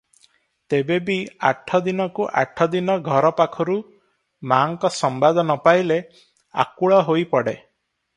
ତେବେ ବି ଆଠଦିନକୁ ଆଠଦିନ ଘରପାଖରୁ ମା'ଙ୍କ ସମ୍ବାଦ ନ ପାଇଲେ ଆକୁଳ ହୋଇପଡେ ।